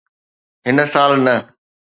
هن سال نه